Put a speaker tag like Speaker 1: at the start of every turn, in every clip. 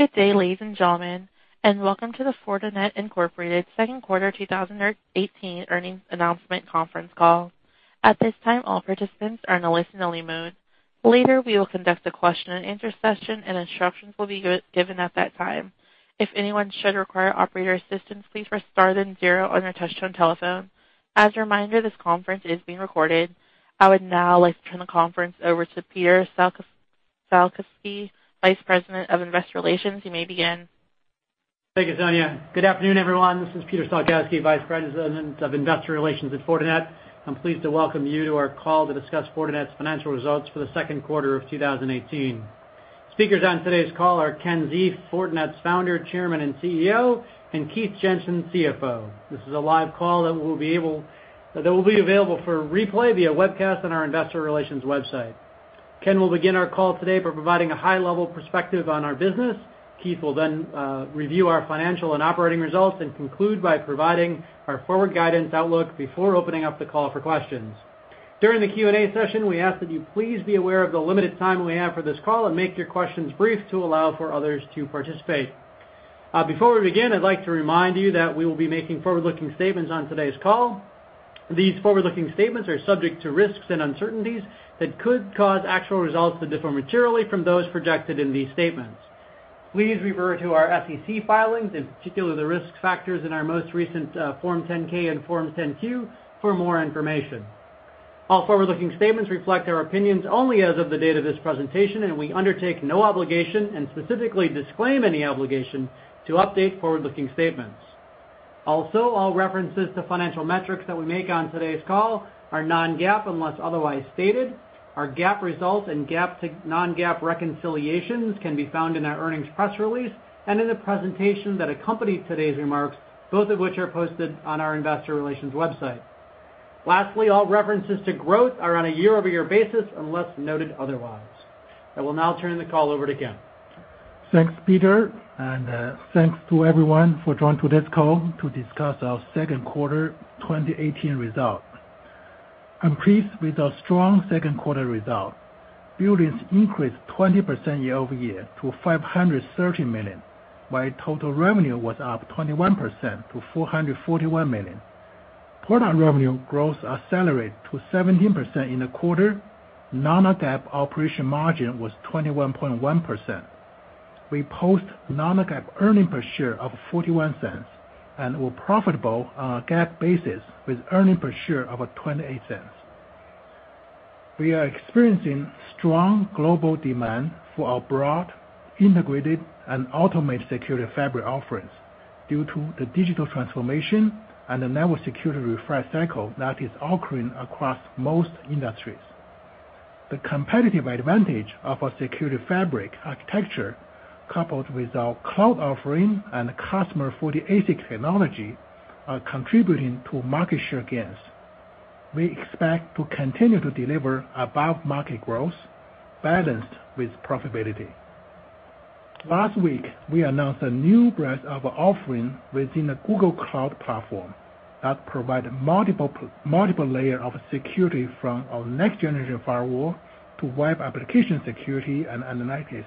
Speaker 1: Good day, ladies and gentlemen, and welcome to the Fortinet, Inc. second quarter 2018 earnings announcement conference call. At this time, all participants are in a listen-only mode. Later, we will conduct a question and answer session, and instructions will be given at that time. If anyone should require operator assistance, please press star then zero on your touchtone telephone. As a reminder, this conference is being recorded. I would now like to turn the conference over to Peter Salkowski, Vice President of Investor Relations. You may begin.
Speaker 2: Thank you, Sonia. Good afternoon, everyone. This is Peter Salkowski, Vice President of Investor Relations at Fortinet. I'm pleased to welcome you to our call to discuss Fortinet's financial results for the second quarter of 2018. Speakers on today's call are Ken Xie, Fortinet's Founder, Chairman, and CEO, and Keith Jensen, CFO. This is a live call that will be available for replay via webcast on our investor relations website. Ken will begin our call today by providing a high-level perspective on our business. Keith will then review our financial and operating results and conclude by providing our forward guidance outlook before opening up the call for questions. During the Q&A session, we ask that you please be aware of the limited time we have for this call and make your questions brief to allow for others to participate. Before we begin, I'd like to remind you that we will be making forward-looking statements on today's call. These forward-looking statements are subject to risks and uncertainties that could cause actual results to differ materially from those projected in these statements. Please refer to our SEC filings, and particularly the risk factors in our most recent Form 10-K and Form 10-Q for more information. All forward-looking statements reflect our opinions only as of the date of this presentation, and we undertake no obligation and specifically disclaim any obligation to update forward-looking statements. All references to financial metrics that we make on today's call are non-GAAP unless otherwise stated. Our GAAP results and GAAP to non-GAAP reconciliations can be found in our earnings press release and in the presentation that accompany today's remarks, both of which are posted on our investor relations website. Lastly, all references to growth are on a year-over-year basis, unless noted otherwise. I will now turn the call over to Ken.
Speaker 3: Thanks, Peter, and thanks to everyone for joining to this call to discuss our second quarter 2018 results. I'm pleased with our strong second quarter results. Billings increased 20% year-over-year to $513 million, while total revenue was up 21% to $441 million. Product revenue growth accelerated to 17% in the quarter. non-GAAP operating margin was 21.1%. We post non-GAAP earnings per share of $0.41 and were profitable on a GAAP basis with earnings per share of $0.28. We are experiencing strong global demand for our broad, integrated, and automated Security Fabric offerings due to the digital transformation and the network security refresh cycle that is occurring across most industries. The competitive advantage of our Security Fabric architecture, coupled with our cloud offering and custom ASIC technology, are contributing to market share gains. We expect to continue to deliver above-market growth balanced with profitability. Last week, we announced a new breadth of offering within the Google Cloud Platform that provide multiple layer of security from our next-generation firewall to web application security and analytics.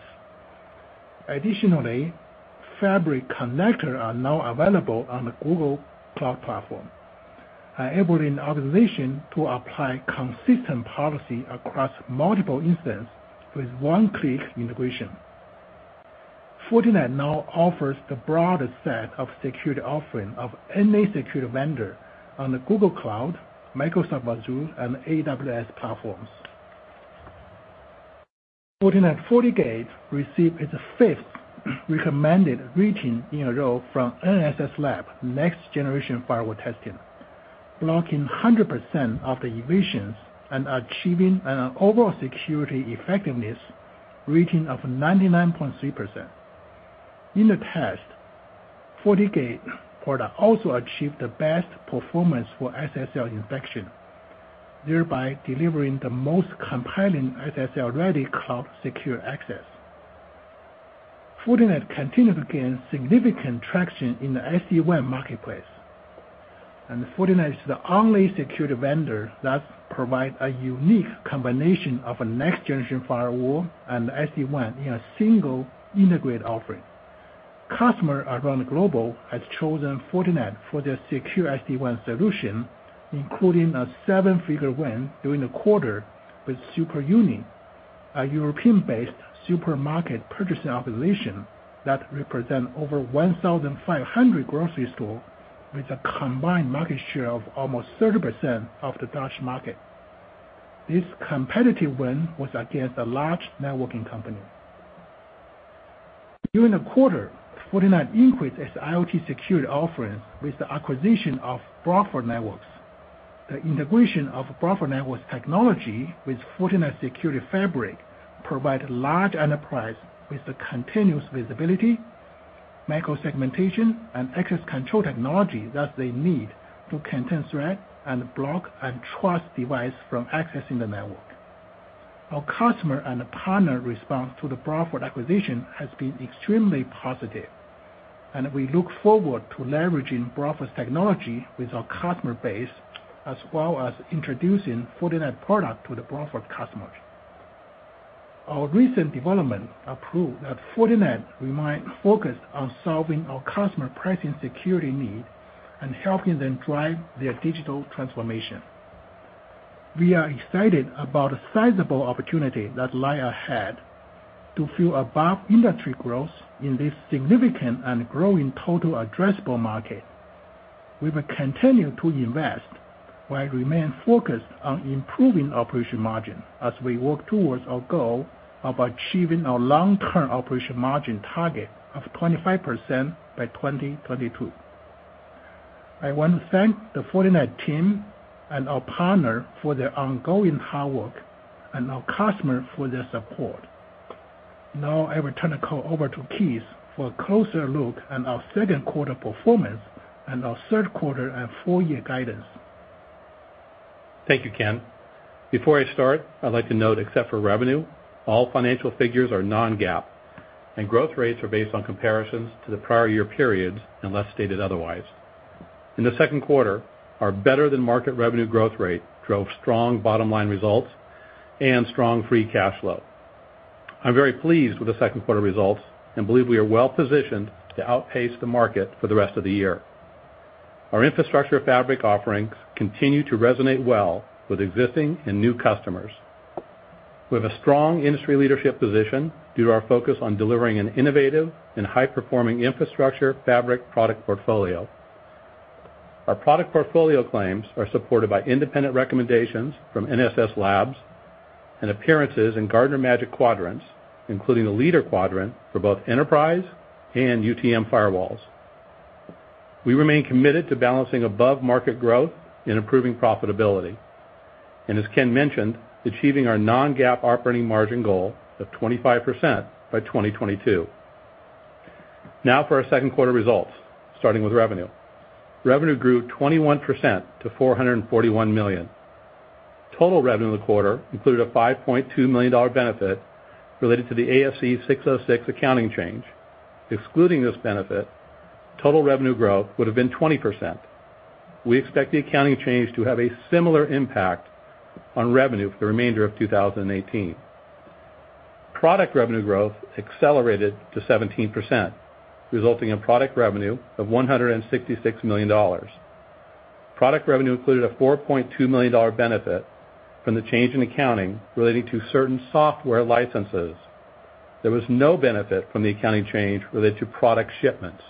Speaker 3: Additionally, Fabric Connectors are now available on the Google Cloud Platform, enabling organization to apply consistent policy across multiple instance with one-click integration. Fortinet now offers the broadest set of security offering of any security vendor on the Google Cloud, Microsoft Azure, and AWS platforms. Fortinet FortiGate received its fifth recommended rating in a row from NSS Labs next-generation firewall testing, blocking 100% of the evasions and achieving an overall security effectiveness rating of 99.3%. In the test, FortiGate product also achieved the best performance for SSL inspection, thereby delivering the most compelling SSL-ready cloud secure access. Fortinet continued to gain significant traction in the SD-WAN marketplace. Fortinet is the only security vendor that provide a unique combination of a next-generation firewall and SD-WAN in a single integrated offering. Customer around the global has chosen Fortinet for their secure SD-WAN solution, including a seven-figure win during the quarter with Superunie, a European-based supermarket purchasing organization that represent over 1,500 grocery store with a combined market share of almost 30% of the Dutch market. This competitive win was against a large networking company. During the quarter, Fortinet increased its IoT security offerings with the acquisition of Bradford Networks. The integration of Bradford Networks technology with Fortinet Security Fabric provide large enterprise with the continuous visibility, micro-segmentation, and access control technology that they need to contain threat and block untrust device from accessing the network. Our customer and partner response to the Bradford acquisition has been extremely positive. We look forward to leveraging Bradford's technology with our customer base, as well as introducing Fortinet product to the Bradford customers. Our recent development proved that Fortinet remain focused on solving our customer pressing security need and helping them drive their digital transformation. We are excited about a sizable opportunity that lie ahead to fuel above industry growth in this significant and growing total addressable market. We will continue to invest while remain focused on improving operating margin as we work towards our goal of achieving our long-term operating margin target of 25% by 2022. I want to thank the Fortinet team and our partner for their ongoing hard work and our customer for their support. Now I will turn the call over to Keith for a closer look on our second quarter performance and our third quarter and full year guidance.
Speaker 4: Thank you, Ken. Before I start, I would like to note, except for revenue, all financial figures are non-GAAP, and growth rates are based on comparisons to the prior year periods, unless stated otherwise. In the second quarter, our better-than-market revenue growth rate drove strong bottom-line results and strong free cash flow. I am very pleased with the second quarter results and believe we are well-positioned to outpace the market for the rest of the year. Our infrastructure fabric offerings continue to resonate well with existing and new customers. We have a strong industry leadership position due to our focus on delivering an innovative and high-performing infrastructure fabric product portfolio. Our product portfolio claims are supported by independent recommendations from NSS Labs and appearances in Gartner Magic Quadrants, including the Leader Quadrant for both Enterprise and UTM Firewalls. We remain committed to balancing above-market growth and improving profitability, and as Ken mentioned, achieving our non-GAAP operating margin goal of 25% by 2022. Now for our second quarter results, starting with revenue. Revenue grew 21% to $441 million. Total revenue in the quarter included a $5.2 million benefit related to the ASC 606 accounting change. Excluding this benefit, total revenue growth would have been 20%. We expect the accounting change to have a similar impact on revenue for the remainder of 2018. Product revenue growth accelerated to 17%, resulting in product revenue of $166 million. Product revenue included a $4.2 million benefit from the change in accounting relating to certain software licenses. There was no benefit from the accounting change related to product shipments.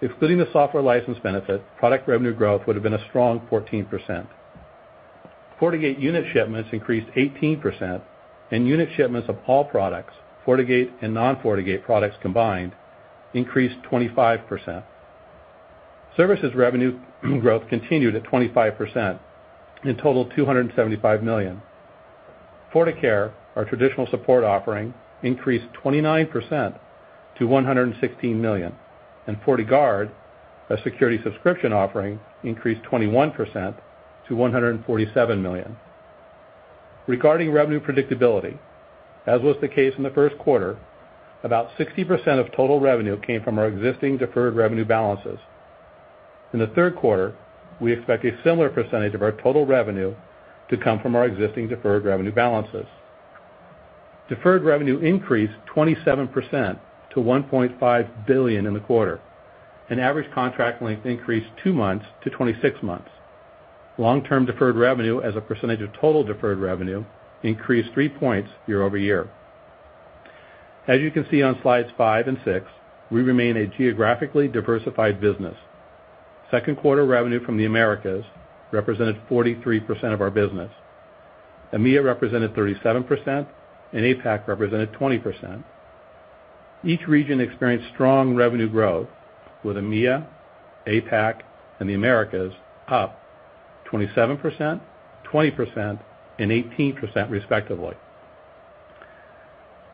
Speaker 4: Excluding the software license benefit, product revenue growth would have been a strong 14%. FortiGate unit shipments increased 18%, and unit shipments of all products, FortiGate and non-FortiGate products combined, increased 25%. Services revenue growth continued at 25% and totaled $275 million. FortiCare, our traditional support offering, increased 29% to $116 million, and FortiGuard, our security subscription offering, increased 21% to $147 million. Regarding revenue predictability, as was the case in the first quarter, about 60% of total revenue came from our existing deferred revenue balances. In the third quarter, we expect a similar percentage of our total revenue to come from our existing deferred revenue balances. Deferred revenue increased 27% to $1.5 billion in the quarter, and average contract length increased two months to 26 months. Long-term deferred revenue as a percentage of total deferred revenue increased three points year-over-year. As you can see on slides five and six, we remain a geographically diversified business. Second quarter revenue from the Americas represented 43% of our business. EMEA represented 37%, and APAC represented 20%. Each region experienced strong revenue growth, with EMEA, APAC, and the Americas up 27%, 20%, and 18%, respectively.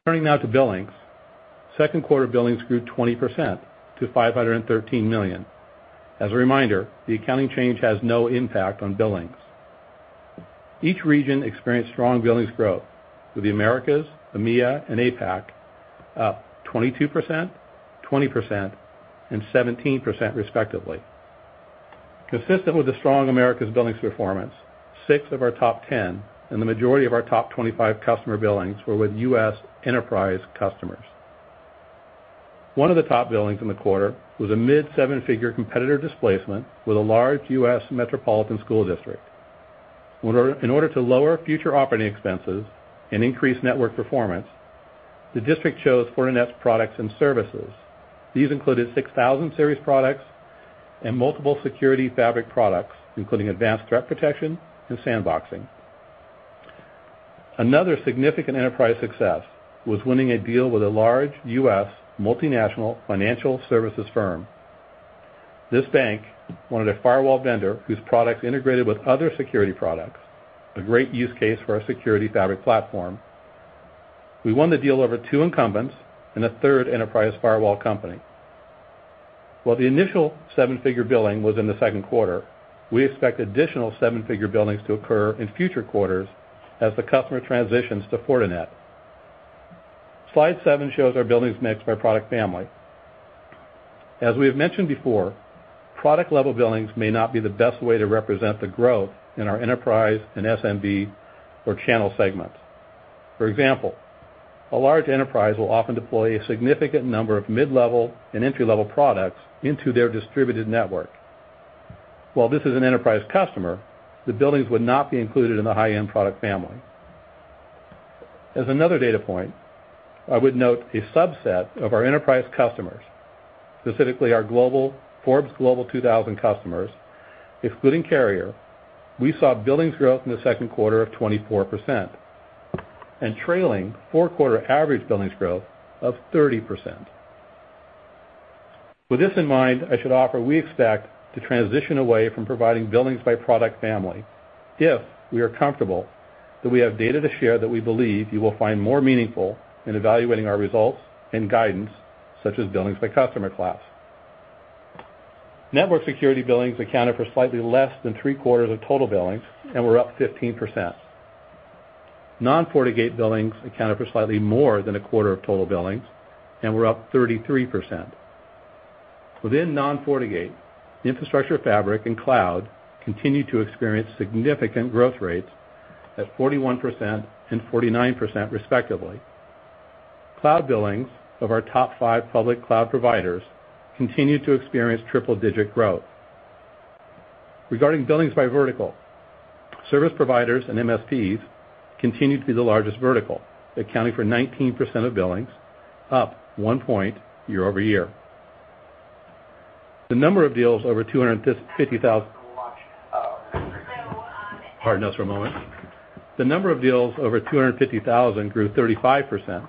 Speaker 4: Turning now to billings. Second quarter billings grew 20% to $513 million. As a reminder, the accounting change has no impact on billings. Each region experienced strong billings growth, with the Americas, EMEA, and APAC up 22%, 20%, and 17%, respectively. Consistent with the strong Americas billings performance, six of our top ten and the majority of our top 25 customer billings were with U.S. enterprise customers. One of the top billings in the quarter was a mid-seven-figure competitor displacement with a large U.S. metropolitan school district. In order to lower future operating expenses and increase network performance, the district chose Fortinet's products and services. These included 6000 series products and multiple Security Fabric products, including advanced threat protection and sandboxing. Another significant enterprise success was winning a deal with a large U.S. multinational financial services firm. This bank wanted a firewall vendor whose products integrated with other security products, a great use case for our Security Fabric platform. We won the deal over two incumbents and a third enterprise firewall company. While the initial seven-figure billing was in the second quarter, we expect additional seven-figure billings to occur in future quarters as the customer transitions to Fortinet. Slide seven shows our billings mixed by product family. As we have mentioned before, product-level billings may not be the best way to represent the growth in our enterprise and SMB or channel segments. For example, a large enterprise will often deploy a significant number of mid-level and entry-level products into their distributed network. While this is an enterprise customer, the billings would not be included in the high-end product family. As another data point, I would note a subset of our enterprise customers, specifically our Forbes Global 2000 customers, excluding carrier, we saw billings growth in the second quarter of 24% and trailing four-quarter average billings growth of 30%. With this in mind, I should offer we expect to transition away from providing billings by product family if we are comfortable that we have data to share that we believe you will find more meaningful in evaluating our results and guidance, such as billings by customer class. Network security billings accounted for slightly less than three-quarters of total billings and were up 15%. Non-FortiGate billings accounted for slightly more than a quarter of total billings and were up 33%. Within Non-FortiGate, infrastructure fabric and cloud continued to experience significant growth rates at 41% and 49% respectively. Cloud billings of our top five public cloud providers continued to experience triple-digit growth. Regarding billings by vertical, service providers and MSPs continued to be the largest vertical, accounting for 19% of billings, up one point year-over-year. The number of deals over $250,000- Pardon us for a moment. The number of deals over $250,000 grew 35%,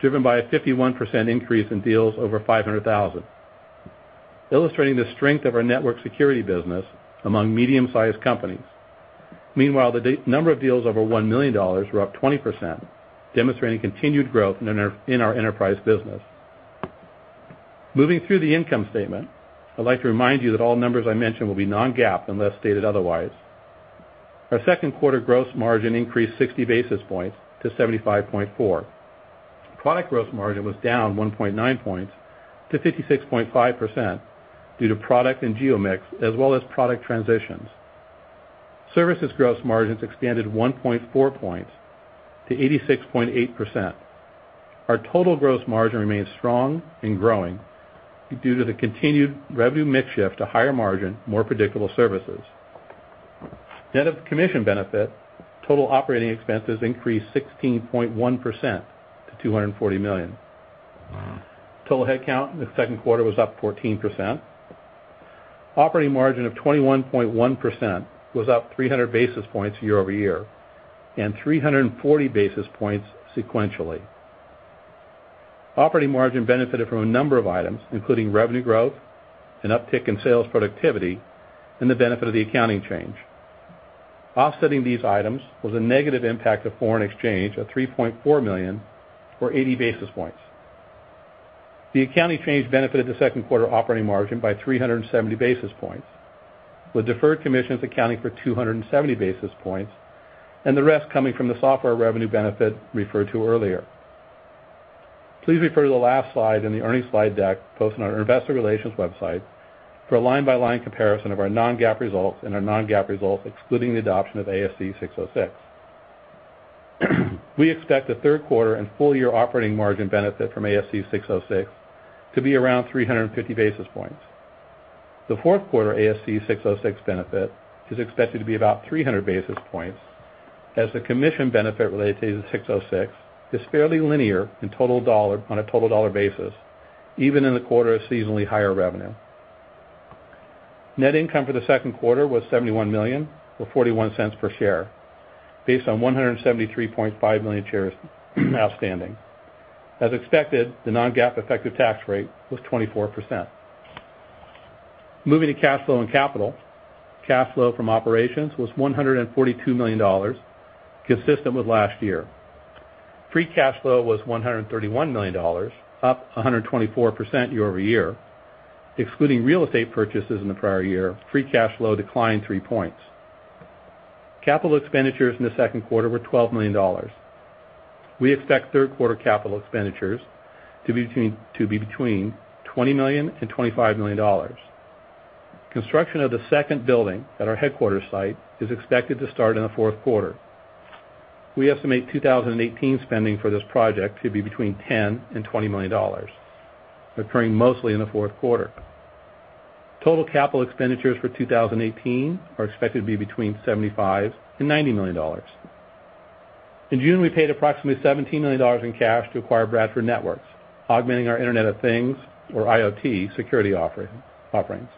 Speaker 4: driven by a 51% increase in deals over $500,000, illustrating the strength of our network security business among medium-sized companies. Meanwhile, the number of deals over $1 million were up 20%, demonstrating continued growth in our enterprise business. Moving through the income statement, I'd like to remind you that all numbers I mention will be non-GAAP unless stated otherwise. Our second quarter gross margin increased 60 basis points to 75.4%. Product gross margin was down 1.9 points to 56.5% due to product and geo mix as well as product transitions. Services gross margins expanded 1.4 points to 86.8%. Our total gross margin remains strong and growing due to the continued revenue mix shift to higher margin, more predictable services. Net of commission benefit, total operating expenses increased 16.1% to $240 million. Total headcount in the second quarter was up 14%. Operating margin of 21.1% was up 300 basis points year-over-year and 340 basis points sequentially. Operating margin benefited from a number of items, including revenue growth, an uptick in sales productivity, and the benefit of the accounting change. Offsetting these items was a negative impact of foreign exchange of $3.4 million or 80 basis points. The accounting change benefited the second quarter operating margin by 370 basis points, with deferred commissions accounting for 270 basis points and the rest coming from the software revenue benefit referred to earlier. Please refer to the last slide in the earnings slide deck posted on our investor relations website for a line-by-line comparison of our non-GAAP results and our non-GAAP results excluding the adoption of ASC 606. We expect the third quarter and full-year operating margin benefit from ASC 606 to be around 350 basis points. The fourth quarter ASC 606 benefit is expected to be about 300 basis points, as the commission benefit related to 606 is fairly linear on a total dollar basis, even in the quarter of seasonally higher revenue. Net income for the second quarter was $71 million, or $0.41 per share, based on 173.5 million shares outstanding. As expected, the non-GAAP effective tax rate was 24%. Moving to cash flow and capital, cash flow from operations was $142 million, consistent with last year. Free cash flow was $131 million, up 124% year-over-year. Excluding real estate purchases in the prior year, free cash flow declined three points. Capital expenditures in the second quarter were $12 million. We expect third-quarter capital expenditures to be between $20 million and $25 million. Construction of the second building at our headquarters site is expected to start in the fourth quarter. We estimate 2018 spending for this project to be between $10 million and $20 million, occurring mostly in the fourth quarter. Total capital expenditures for 2018 are expected to be between $75 million and $90 million. In June, we paid approximately $17 million in cash to acquire Bradford Networks, augmenting our Internet of Things, or IoT, security offerings.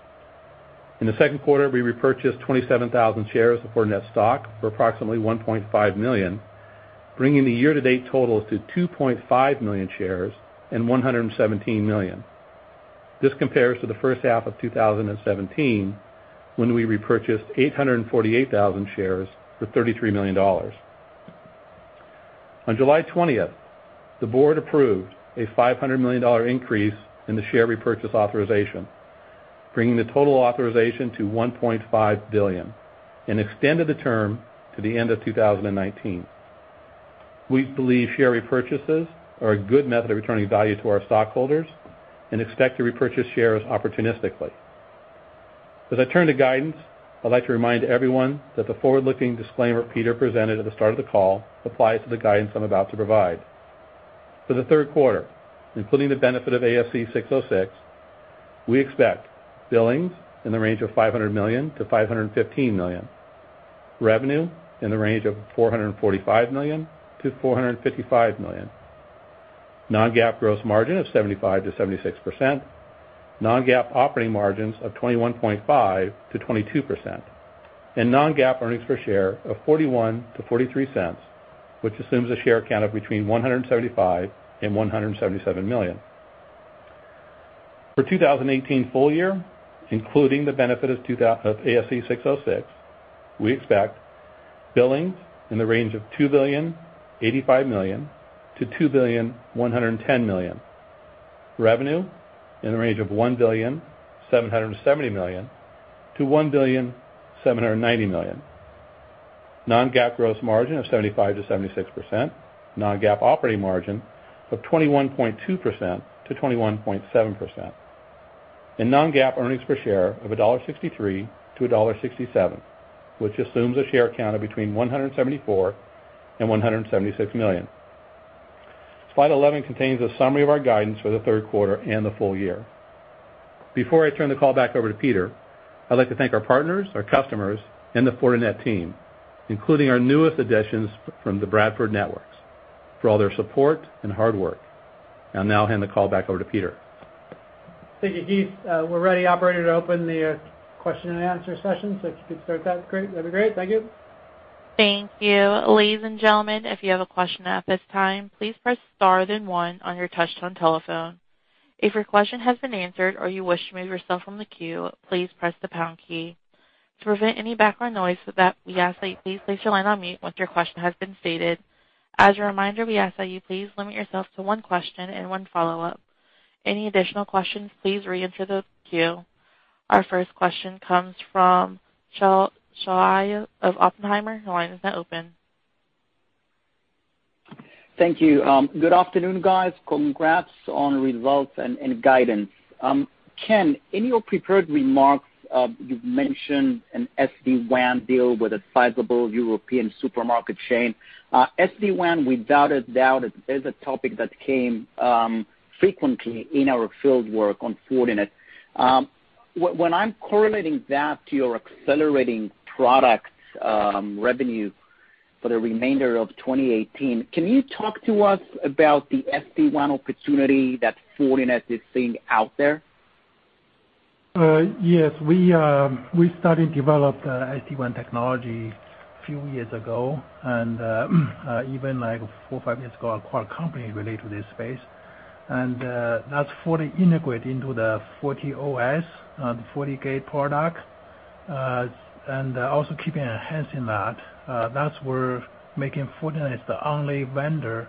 Speaker 4: In the second quarter, we repurchased 27,000 shares of Fortinet stock for approximately $1.5 million, bringing the year-to-date totals to 2.5 million shares and $117 million. This compares to the first half of 2017, when we repurchased 848,000 shares for $33 million. On July 20th, the board approved a $500 million increase in the share repurchase authorization, bringing the total authorization to $1.5 billion, and extended the term to the end of 2019. We believe share repurchases are a good method of returning value to our stockholders and expect to repurchase shares opportunistically. As I turn to guidance, I'd like to remind everyone that the forward-looking disclaimer Peter presented at the start of the call applies to the guidance I'm about to provide. For the third quarter, including the benefit of ASC 606, we expect billings in the range of $500 million-$515 million, revenue in the range of $445 million-$455 million, non-GAAP gross margin of 75%-76%, non-GAAP operating margins of 21.5%-22%, and non-GAAP earnings per share of $0.41-$0.43, which assumes a share count of between 175 and 177 million. For 2018 full year, including the benefit of ASC 606, we expect billings in the range of $2.085 billion-$2.110 billion. Revenue in the range of $1.770 billion-$1.790 billion. Non-GAAP gross margin of 75%-76%. Non-GAAP operating margin of 21.2%-21.7%. non-GAAP earnings per share of $1.63-$1.67, which assumes a share count of between 174 and 176 million. Slide 11 contains a summary of our guidance for the third quarter and the full year. Before I turn the call back over to Peter, I'd like to thank our partners, our customers, and the Fortinet team, including our newest additions from the Bradford Networks, for all their support and hard work. I'll now hand the call back over to Peter.
Speaker 2: Thank you, Keith. We're ready, operator, to open the question and answer session. If you could start that, great. That'd be great. Thank you.
Speaker 1: Thank you. Ladies and gentlemen, if you have a question at this time, please press star then one on your touchtone telephone. If your question has been answered or you wish to remove yourself from the queue, please press the pound key. To prevent any background noise, we ask that you please place your line on mute once your question has been stated. As a reminder, we ask that you please limit yourself to one question and one follow-up. Any additional questions, please reenter the queue. Our first question comes from Shaul Eyal of Oppenheimer. Your line is now open.
Speaker 5: Thank you. Good afternoon, guys. Congrats on results and guidance. Ken, in your prepared remarks, you've mentioned an SD-WAN deal with a sizable European supermarket chain. SD-WAN, without a doubt, is a topic that came frequently in our field work on Fortinet. When I'm correlating that to your accelerating products revenue for the remainder of 2018, can you talk to us about the SD-WAN opportunity that Fortinet is seeing out there?
Speaker 3: Yes. We started to develop SD-WAN technology a few years ago, even four or five years ago, acquired a company related to this space. That's fully integrated into the FortiOS and FortiGate product, also keeping enhancing that. That's where making Fortinet the only vendor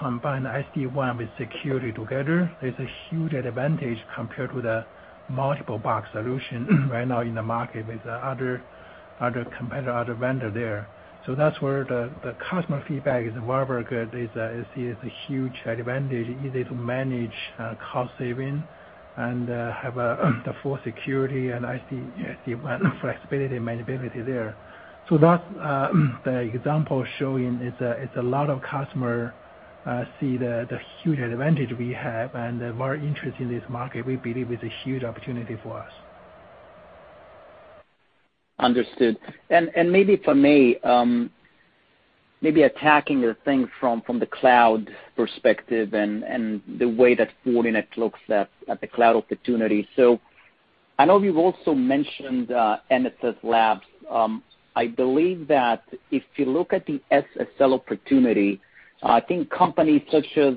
Speaker 3: combining SD-WAN with security together is a huge advantage compared with the multiple box solution right now in the market with the other competitor, other vendor there. That's where the customer feedback is very, very good, is a huge advantage, easy to manage, cost-saving, and have the full security and SD-WAN flexibility and manageability there. That's the example showing it's a lot of customer see the huge advantage we have, and they're very interested in this market. We believe it's a huge opportunity for us.
Speaker 5: Understood. Maybe for me, maybe attacking the thing from the cloud perspective and the way that Fortinet looks at the cloud opportunity. I know you've also mentioned NSS Labs. I believe that if you look at the SSL opportunity, I think companies such as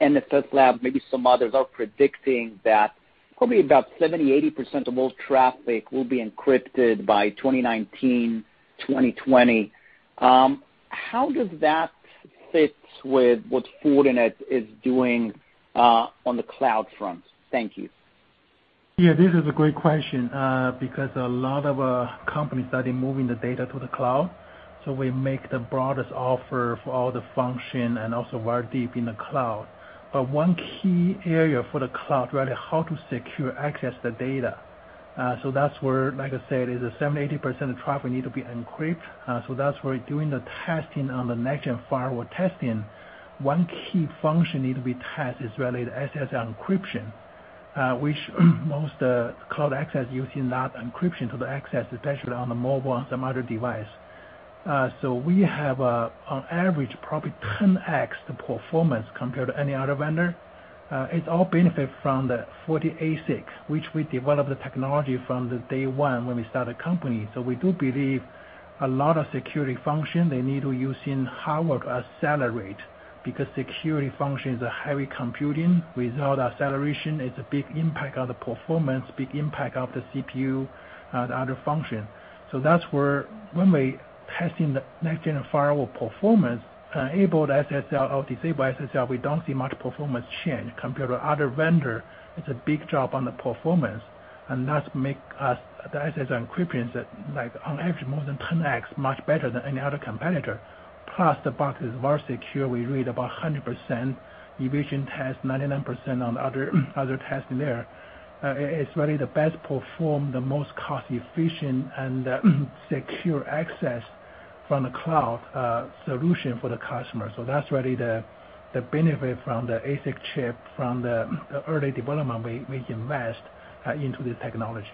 Speaker 5: NSS Labs, maybe some others, are predicting that probably about 70%-80% of all traffic will be encrypted by 2019, 2020. How does that fit with what Fortinet is doing on the cloud front? Thank you.
Speaker 3: Yeah, this is a great question. A lot of companies started moving the data to the cloud, so we make the broadest offer for all the function and also very deep in the cloud. One key area for the cloud, really how to secure access the data. That's where, like I said, is 70%-80% of traffic need to be encrypted. That's why we're doing the testing on the next-gen firewall testing. One key function need to be tested is really the SSL encryption, which most cloud access using that encryption to the access, especially on the mobile and some other device. We have, on average, probably 10x the performance compared to any other vendor. It all benefits from the FortiASIC, which we developed the technology from day one when we started the company. We do believe a lot of security function they need to use in hardware accelerate, because security function is a heavy computing. Without acceleration, it's a big impact on the performance, big impact on the CPU and the other function. That's where when we're testing the next-gen firewall performance, enable the SSL or disable SSL, we don't see much performance change. Compared to other vendor, it's a big drop on the performance, and that make the SSL encryptions, on average, more than 10x, much better than any other competitor. Plus the box is very secure. We read about 100% evasion test, 99% on other tests in there. It's really the best performed, the most cost efficient, and secure access from the cloud solution for the customer. That's really the benefit from the ASIC chip, from the early development we invest into this technology.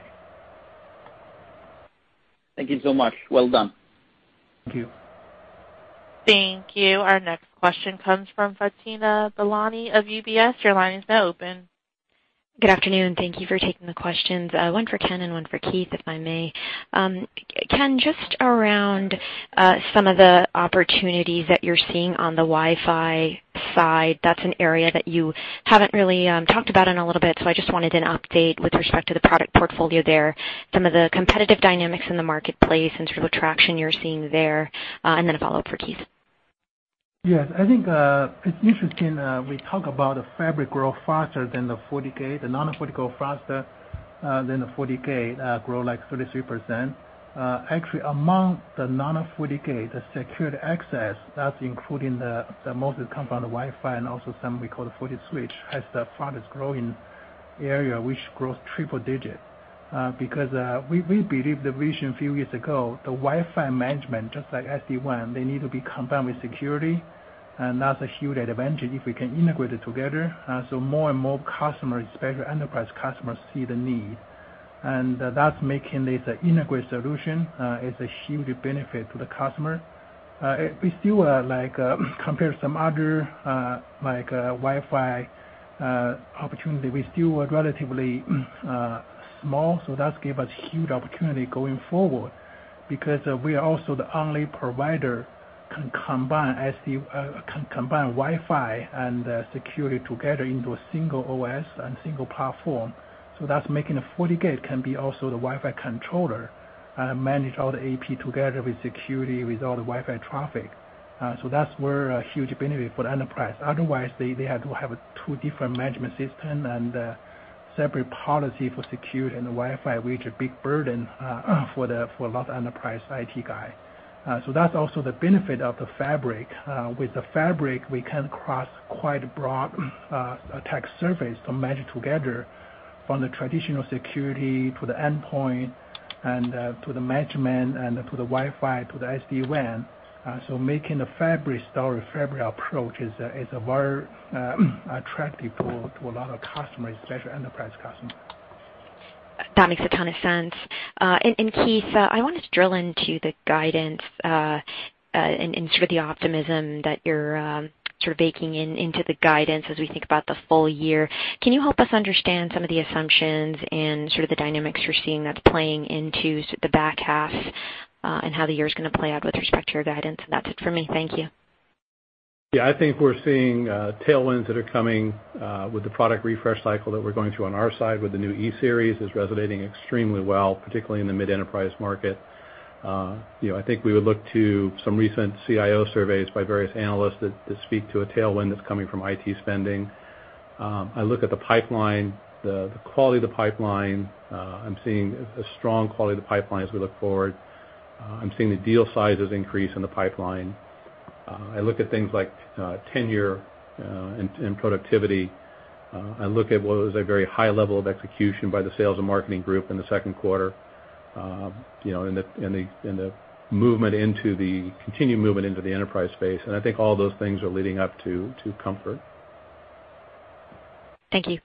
Speaker 5: Thank you so much. Well done.
Speaker 3: Thank you.
Speaker 1: Thank you. Our next question comes from Fatima Boolani of UBS. Your line is now open.
Speaker 6: Good afternoon. Thank you for taking the questions. One for Ken and one for Keith, if I may. Ken, just around some of the opportunities that you're seeing on the Wi-Fi side, that's an area that you haven't really talked about in a little bit, so I just wanted an update with respect to the product portfolio there, some of the competitive dynamics in the marketplace, and sort of traction you're seeing there. A follow-up for Keith.
Speaker 3: Yes, I think, it's interesting we talk about the fabric grow faster than the FortiGate. The non-FortiGate grow faster than the FortiGate, grow like 33%. Actually, among the non-FortiGate, the secured access, that's including the most is come from the Wi-Fi and also some we call the FortiSwitch, has the fastest growing area, which grows triple digit. Because, we believe the vision a few years ago, the Wi-Fi management, just like SD-WAN, they need to be combined with security, and that's a huge advantage if we can integrate it together. More and more customers, especially enterprise customers, see the need. That's making this an integrated solution. It's a huge benefit to the customer. We still, compared to some other Wi-Fi opportunity, we still are relatively small, so that give us huge opportunity going forward. We are also the only provider can combine Wi-Fi and security together into a single OS and single platform. That's making the FortiGate can be also the Wi-Fi controller, manage all the AP together with security, with all the Wi-Fi traffic. That's where a huge benefit for the enterprise. Otherwise, they had to have two different management system and separate policy for security and the Wi-Fi, which a big burden for a lot of enterprise IT guy. That's also the benefit of the fabric. With the fabric, we can cross quite a broad attack surface to mesh it together from the traditional security to the endpoint and to the management and to the Wi-Fi, to the SD-WAN. Making a fabric story, fabric approach is very attractive to a lot of customers, especially enterprise customers.
Speaker 6: That makes a ton of sense. Keith, I wanted to drill into the guidance, and sort of the optimism that you're sort of baking into the guidance as we think about the full year. Can you help us understand some of the assumptions and sort of the dynamics you're seeing that's playing into the back half, and how the year's going to play out with respect to your guidance? That's it for me. Thank you.
Speaker 4: I think we're seeing tailwinds that are coming with the product refresh cycle that we're going through on our side with the new E-Series is resonating extremely well, particularly in the mid-enterprise market. I think we would look to some recent CIO surveys by various analysts that speak to a tailwind that's coming from IT spending. I look at the pipeline, the quality of the pipeline. I'm seeing a strong quality of the pipeline as we look forward. I'm seeing the deal sizes increase in the pipeline. I look at things like tenure and productivity. I look at what was a very high level of execution by the sales and marketing group in the second quarter. The continued movement into the enterprise space. I think all those things are leading up to comfort.
Speaker 6: Thank you.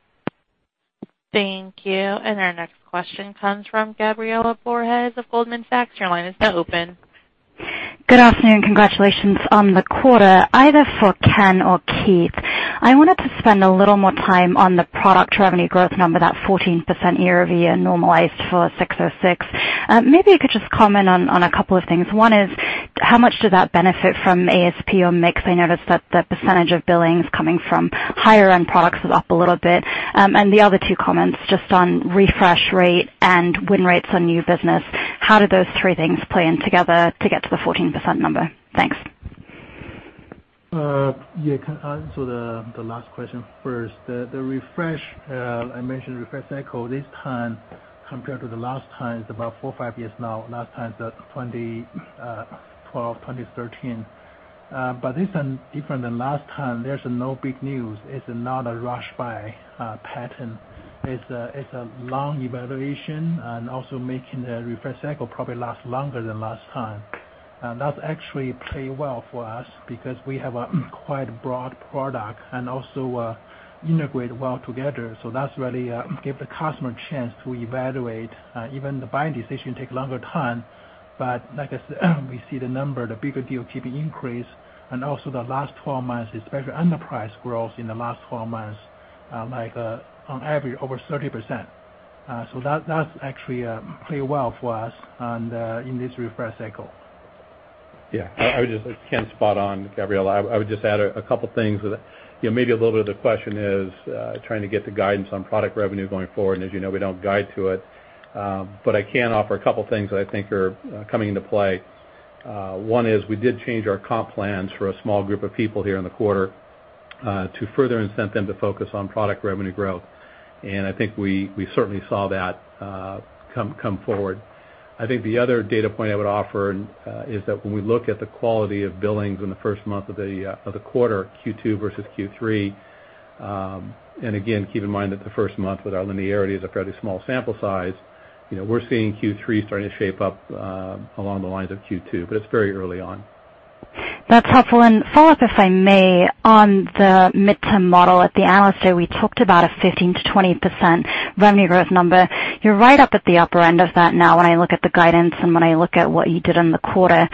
Speaker 1: Thank you. Our next question comes from Gabriela Borges of Goldman Sachs. Your line is now open.
Speaker 7: Good afternoon. Congratulations on the quarter. Either for Ken or Keith, I wanted to spend a little more time on the product revenue growth number, that 14% year-over-year normalized for 606. Maybe you could just comment on a couple of things. One is, how much did that benefit from ASP or mix? I noticed that the percentage of billings coming from higher end products is up a little bit. The other two comments just on refresh rate and win rates on new business. How do those three things play in together to get to the 14% number? Thanks.
Speaker 3: Yeah. Can answer the last question first. The refresh, I mentioned refresh cycle this time compared to the last time, it's about four, five years now. Last time is the 2012, 2013. This time different than last time, there's no big news. It's not a rush-buy pattern. It's a long evaluation and also making the refresh cycle probably last longer than last time. That actually play well for us because we have a quite broad product and also integrate well together. That's really give the customer a chance to evaluate. Even the buying decision take longer time, but like I said, we see the number, the bigger deal keeping increase and also the last 12 months, especially enterprise growth in the last 12 months, like on average over 30%. That's actually play well for us and in this refresh cycle.
Speaker 4: Yeah. Ken's spot on, Gabriela. I would just add a couple things. Maybe a little bit of the question is, trying to get the guidance on product revenue going forward, and as you know, we don't guide to it. I can offer a couple things that I think are coming into play. One is we did change our comp plans for a small group of people here in the quarter. To further incent them to focus on product revenue growth. I think we certainly saw that come forward. I think the other data point I would offer is that when we look at the quality of billings in the first month of the quarter, Q2 versus Q3, and again, keep in mind that the first month with our linearity is a fairly small sample size. We're seeing Q3 starting to shape up along the lines of Q2, it's very early on.
Speaker 7: That's helpful. Follow-up, if I may, on the midterm model. At the Analyst Day, we talked about a 15%-20% revenue growth number. You're right up at the upper end of that now, when I look at the guidance and when I look at what you did in the quarter.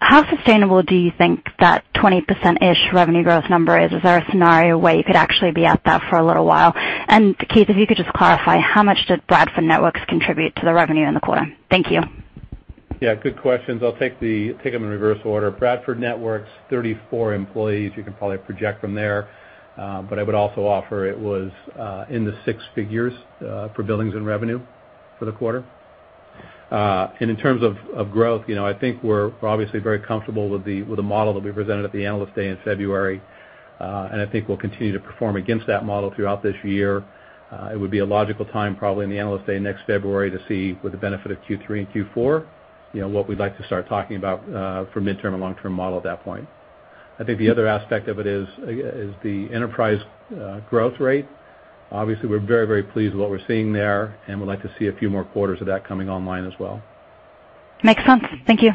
Speaker 7: How sustainable do you think that 20%-ish revenue growth number is? Is there a scenario where you could actually be at that for a little while? Keith, if you could just clarify, how much did Bradford Networks contribute to the revenue in the quarter? Thank you.
Speaker 4: Yeah, good questions. I'll take them in reverse order. Bradford Networks, 34 employees, you can probably project from there. I would also offer it was in the six figures for billings and revenue for the quarter. In terms of growth, I think we're obviously very comfortable with the model that we presented at the Analyst Day in February. I think we'll continue to perform against that model throughout this year. It would be a logical time, probably in the Analyst Day next February to see, with the benefit of Q3 and Q4, what we'd like to start talking about for midterm and long-term model at that point. I think the other aspect of it is the enterprise growth rate. Obviously, we're very, very pleased with what we're seeing there, and would like to see a few more quarters of that coming online as well.
Speaker 7: Makes sense. Thank you.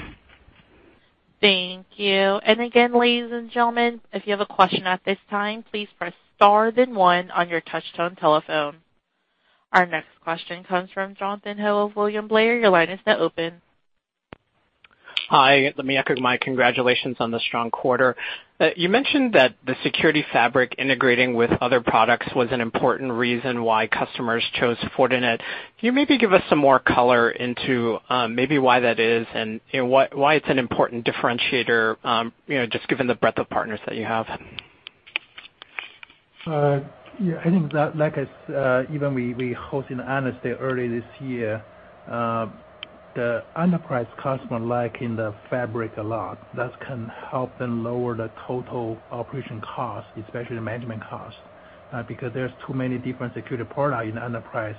Speaker 1: Thank you. Again, ladies and gentlemen, if you have a question at this time, please press star then one on your touch-tone telephone. Our next question comes from Jonathan Ho of William Blair. Your line is now open.
Speaker 8: Hi, let me echo my congratulations on the strong quarter. You mentioned that the Security Fabric integrating with other products was an important reason why customers chose Fortinet. Can you maybe give us some more color into maybe why that is, and why it's an important differentiator, just given the breadth of partners that you have?
Speaker 3: Yeah, I think that, even we hosting Analyst Day earlier this year, the enterprise customer like in the Fabric a lot. That can help them lower the total operation cost, especially the management cost. There's too many different security product in enterprise,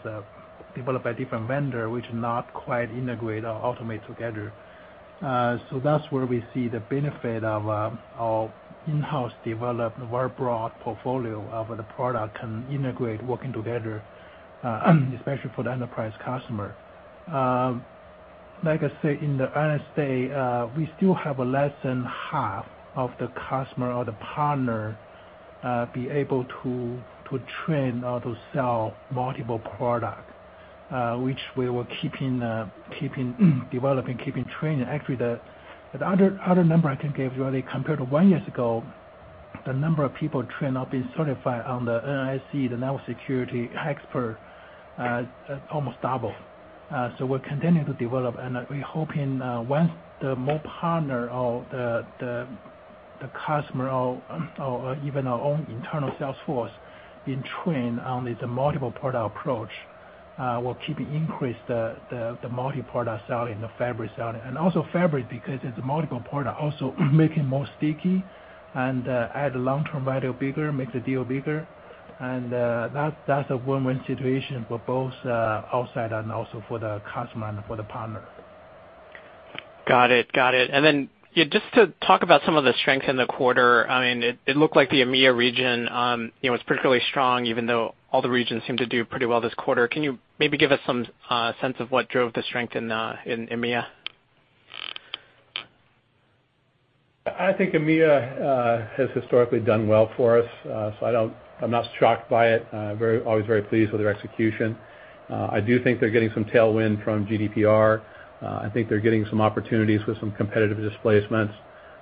Speaker 3: developed by different vendor, which not quite integrate or automate together. That's where we see the benefit of our in-house developed, very broad portfolio of the product can integrate working together, especially for the enterprise customer. Like I say, in the Analyst Day, we still have less than half of the customer or the partner be able to train or to sell multiple product, which we were keeping developing, keeping training. Actually, the other number I can give you, compared to one years ago, the number of people trained or been certified on the NSE, the Network Security Expert, almost double. We're continuing to develop, we're hoping once the more partner or the customer or even our own internal sales force being trained on the multiple-product approach, will keep increase the multi-product selling, the Fabric selling. Also Fabric, because it's multiple product, also make it more sticky and add long-term value bigger, make the deal bigger. That's a win-win situation for both outside and also for the customer and for the partner.
Speaker 8: Got it. Just to talk about some of the strength in the quarter, it looked like the EMEA region was particularly strong, even though all the regions seemed to do pretty well this quarter. Can you maybe give us some sense of what drove the strength in EMEA?
Speaker 4: I think EMEA has historically done well for us, I'm not shocked by it. Always very pleased with their execution. I do think they're getting some tailwind from GDPR. I think they're getting some opportunities with some competitive displacements.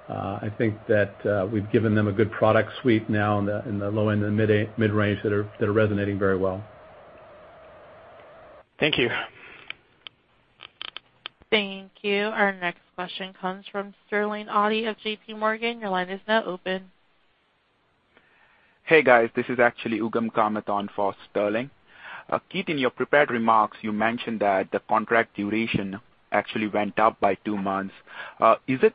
Speaker 4: I think that we've given them a good product suite now in the low-end and the mid-range that are resonating very well.
Speaker 8: Thank you.
Speaker 1: Thank you. Our next question comes from Sterling Auty of J.P. Morgan. Your line is now open.
Speaker 9: Hey, guys, this is actually Ugam Kamat on for Sterling. Keith, in your prepared remarks, you mentioned that the contract duration actually went up by two months. Is it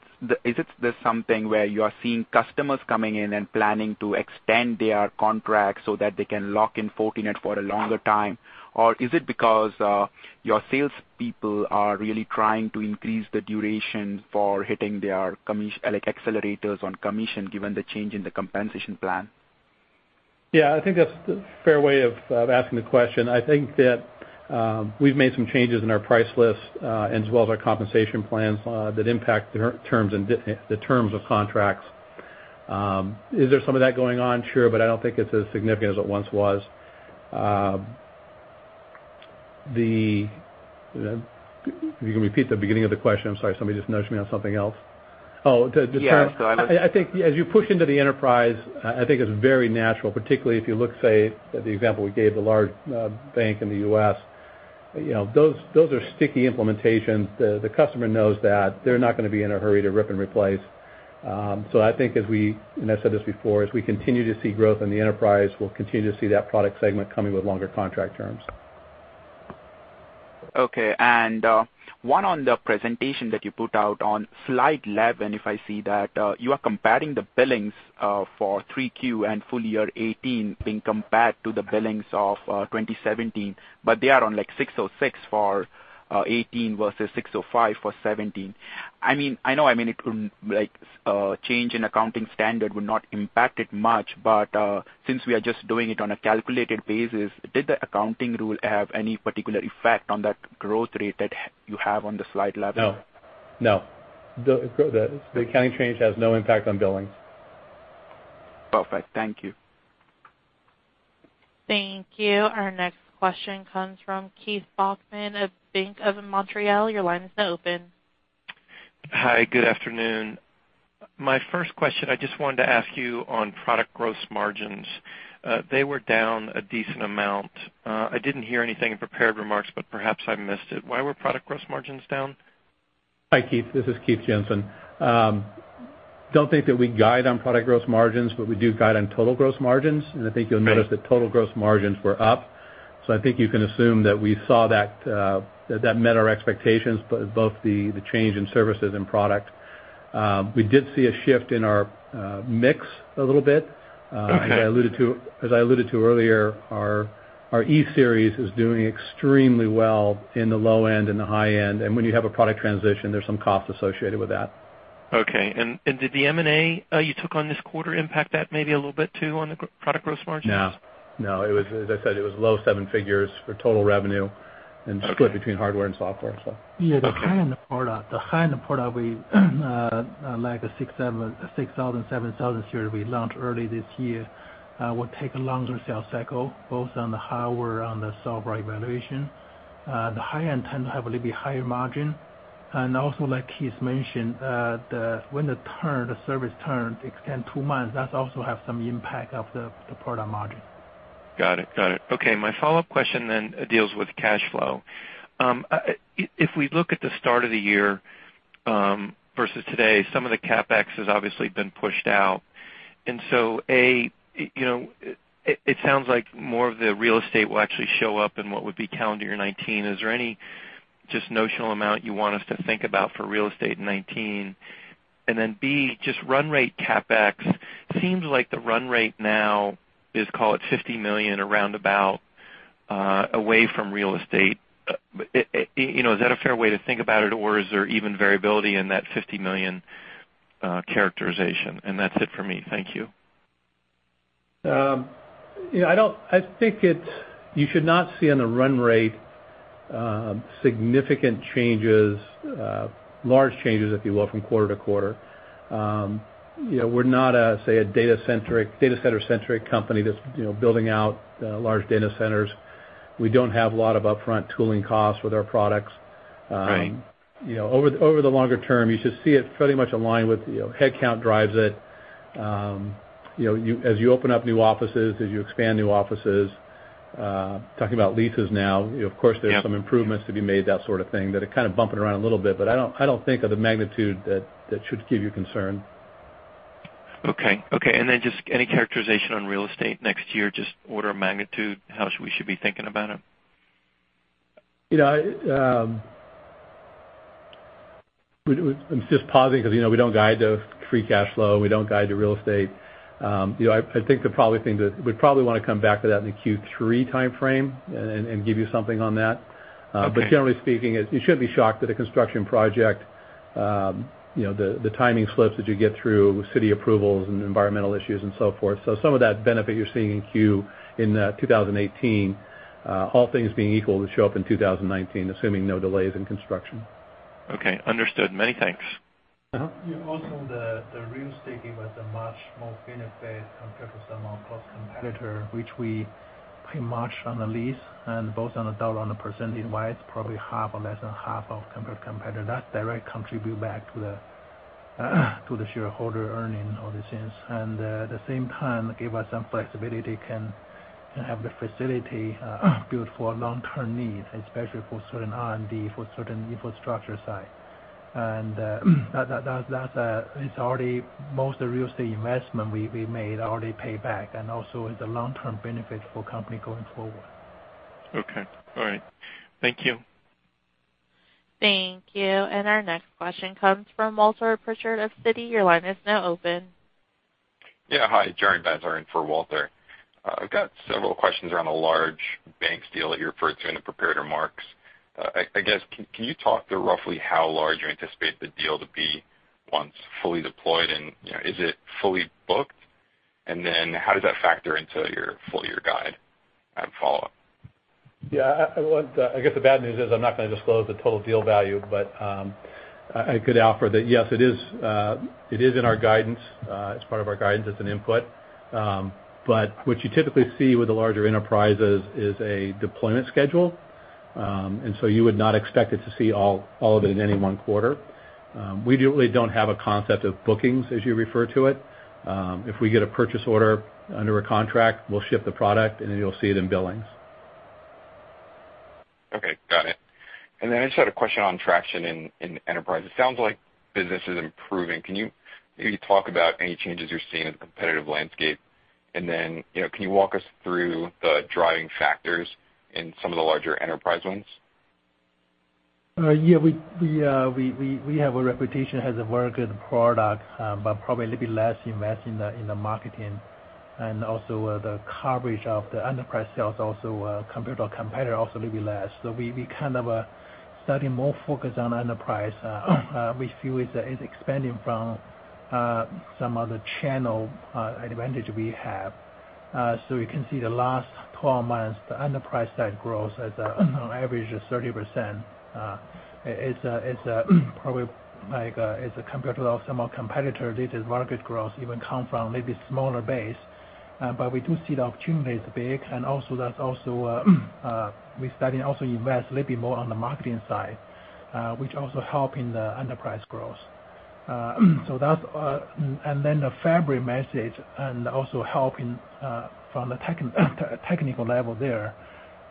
Speaker 9: there's something where you are seeing customers coming in and planning to extend their contract so that they can lock in Fortinet for a longer time? Or is it because your salespeople are really trying to increase the duration for hitting their accelerators on commission, given the change in the compensation plan?
Speaker 4: Yeah, I think that's a fair way of asking the question. I think that we've made some changes in our price list as well as our compensation plans that impact the terms of contracts. Is there some of that going on? Sure. I don't think it's as significant as it once was. If you can repeat the beginning of the question, I'm sorry, somebody just nudged me on something else.
Speaker 9: Yeah.
Speaker 4: I think as you push into the enterprise, I think it's very natural, particularly if you look, say, at the example we gave, the large bank in the U.S. Those are sticky implementations. The customer knows that they're not going to be in a hurry to rip and replace. I think as we, and I said this before, as we continue to see growth in the enterprise, we'll continue to see that product segment coming with longer contract terms.
Speaker 9: Okay. One on the presentation that you put out on slide 11, if I see that you are comparing the billings for 3Q and full year 2018 being compared to the billings of 2017, they are on like ASC 606 for 2018 versus ASC 605 for 2017. I know it could change in accounting standard would not impact it much, since we are just doing it on a calculated basis, did the accounting rule have any particular effect on that growth rate that you have on the slide 11?
Speaker 4: No. The accounting change has no impact on billings.
Speaker 9: Perfect. Thank you.
Speaker 1: Thank you. Our next question comes from Keith Bachman of Bank of Montreal. Your line is now open.
Speaker 10: Hi, good afternoon. My first question, I just wanted to ask you on product gross margins. They were down a decent amount. I didn't hear anything in prepared remarks, perhaps I missed it. Why were product gross margins down?
Speaker 4: Hi, Keith. This is Keith Jensen. Don't think that we guide on product gross margins, we do guide on total gross margins, I think you'll notice that total gross margins were up. I think you can assume that we saw that met our expectations, both the change in services and product. We did see a shift in our mix a little bit.
Speaker 10: Okay.
Speaker 4: As I alluded to earlier, our E-Series is doing extremely well in the low end and the high end, when you have a product transition, there's some cost associated with that.
Speaker 10: Okay, did the M&A you took on this quarter impact that maybe a little bit too, on the product gross margins?
Speaker 4: No. As I said, it was low seven figures for total revenue and split between hardware and software.
Speaker 3: Yeah, the high-end product like FortiGate 6000 series, 7000 series we launched early this year will take a longer sales cycle, both on the hardware, on the software evaluation. The high end tend to have a little bit higher margin. Also like Keith mentioned, when the service turn extend two months, that also have some impact of the product margin.
Speaker 10: My follow-up question then deals with cash flow. If we look at the start of the year versus today, some of the CapEx has obviously been pushed out, A, it sounds like more of the real estate will actually show up in what would be calendar year 2019. Is there any just notional amount you want us to think about for real estate in 2019? B, just run rate CapEx. Seems like the run rate now is, call it $50 million around about away from real estate. Is that a fair way to think about it, or is there even variability in that $50 million characterization? That's it for me. Thank you.
Speaker 4: You should not see on a run rate significant changes, large changes, if you will, from quarter to quarter. We're not a data center-centric company that's building out large data centers. We don't have a lot of upfront tooling costs with our products.
Speaker 10: Right.
Speaker 4: Over the longer term, you should see it fairly much aligned with headcount drives it. As you open up new offices, as you expand new offices, talking about leases now, of course there's some improvements to be made, that sort of thing, that are kind of bumping around a little bit, but I don't think of the magnitude that should give you concern.
Speaker 10: Okay. Just any characterization on real estate next year, just order of magnitude, how we should be thinking about it?
Speaker 4: I'm just pausing because we don't guide to free cash flow. We don't guide to real estate. I think we probably want to come back to that in the Q3 timeframe and give you something on that.
Speaker 10: Okay.
Speaker 4: Generally speaking, you shouldn't be shocked that a construction project, the timing slips as you get through city approvals and environmental issues and so forth. Some of that benefit you're seeing in Q in 2018, all things being equal, will show up in 2019, assuming no delays in construction.
Speaker 10: Okay, understood. Many thanks.
Speaker 3: The real estate give us a much more benefit compared to some of close competitor, which we pay much on the lease and both on the dollar, on the percentage-wise, probably half or less than half of competitor. That directly contribute back to the shareholder earning all these things. At the same time, give us some flexibility, can have the facility built for long-term need, especially for certain R&D, for certain infrastructure side. Most real estate investment we made already pay back, also is a long-term benefit for company going forward.
Speaker 10: Okay. All right. Thank you.
Speaker 1: Thank you. Our next question comes from Walter Pritchard of Citi. Your line is now open.
Speaker 11: Yeah. Hi, Jaron Bazarn for Walter. I've got several questions around the large banks deal that you referred to in the prepared remarks. I guess, can you talk through roughly how large you anticipate the deal to be once fully deployed, and is it fully booked? How does that factor into your full-year guide? I have a follow-up.
Speaker 4: Yeah. I guess the bad news is I'm not going to disclose the total deal value. I could offer that yes, it is in our guidance. It's part of our guidance as an input. What you typically see with the larger enterprises is a deployment schedule, so you would not expect it to see all of it in any one quarter. We really don't have a concept of bookings, as you refer to it. If we get a purchase order under a contract, we'll ship the product. You'll see it in billings.
Speaker 11: Okay, got it. I just had a question on traction in enterprise. It sounds like business is improving. Can you maybe talk about any changes you're seeing in the competitive landscape? Can you walk us through the driving factors in some of the larger enterprise ones?
Speaker 3: We have a reputation as a very good product, but probably a little bit less invest in the marketing and also the coverage of the enterprise sales also, compared to our competitor, also a little bit less. We kind of are starting more focus on enterprise. We feel it's expanding from some of the channel advantage we have. You can see the last 12 months, the enterprise side growth as an average is 30%. It's probably like, compared to some of our competitor, this is market growth even come from maybe smaller base. We do see the opportunity is big and also that also we're starting also invest a little bit more on the marketing side, which also help in the enterprise growth. The fabric message and also helping from the technical level there.